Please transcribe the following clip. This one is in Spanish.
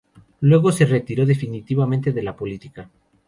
Luego se retiró definitivamente de la política.